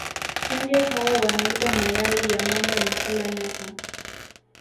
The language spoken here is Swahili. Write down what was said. kenge hawa wanaiba mayai ya mamba na kula nyoka